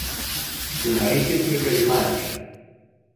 που να είχε την υπερηφάνεια